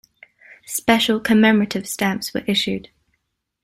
Special commemorative stamps were issued.